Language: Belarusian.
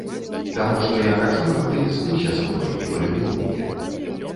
Таму што я хачу, каб ты звыкся са мной і палюбіў мяне.